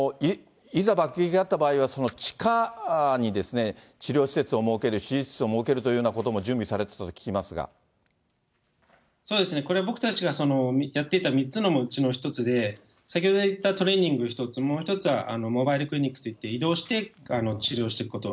いざ爆撃があった場合は、地下に治療施設を設ける、手術室を設けるというようなことも準備そうですね、僕たちがやっていた３つのうちの１つで、先ほど言ったトレーニングの一つ、もう１つはモバイルクリニックといって、移動して治療していくこと。